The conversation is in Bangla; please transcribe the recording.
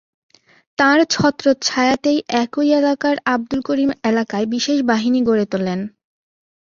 তাঁর ছত্রচ্ছায়াতেই একই এলাকার আবদুল করিম এলাকায় বিশেষ বাহিনী গড়ে তোলেন।